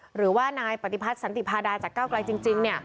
หรือว่านายปฏิพัฒน์สันติพาดาจากเก้าไกลจริง